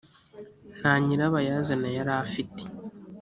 nta nyirabayazana yari afite.